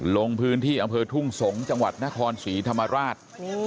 ลงพื้นที่อำเภอทุ่งสงศ์จังหวัดนครศรีธรรมราช